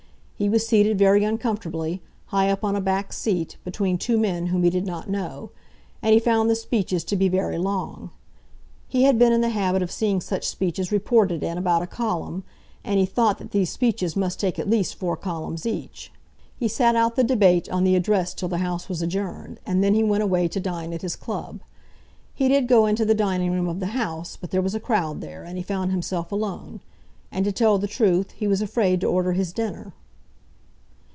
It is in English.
He was seated very uncomfortably, high up on a back seat, between two men whom he did not know; and he found the speeches to be very long. He had been in the habit of seeing such speeches reported in about a column, and he thought that these speeches must take at least four columns each. He sat out the debate on the Address till the House was adjourned, and then he went away to dine at his club. He did go into the dining room of the House, but there was a crowd there, and he found himself alone, and to tell the truth, he was afraid to order his dinner.